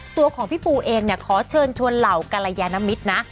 ตัวของพี่ปูเองเนี่ยขอเชิญชวนเหล่ากรยานมิตรนะ